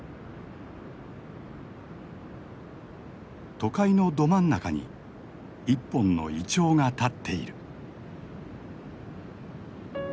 都会のど真ん中に一本のイチョウが立っている。